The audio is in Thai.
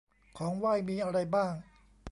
ของไหว้มีอะไรบ้าง